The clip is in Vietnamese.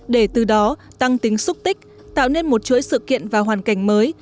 để từ đó tăng tính xúc tích tạo nên một chuỗi sự kiện và hoàn cảnh mới